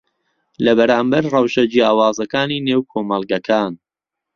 لەبەرامبەر ڕەوشە جیاوازەکانی نێو کۆمەڵگەکان